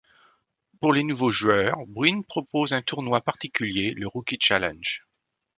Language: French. Pour les nouveaux joueurs, bwin propose un tournoi particulier, le Rookie Challenge.